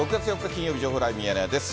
金曜日、情報ライブミヤネ屋です。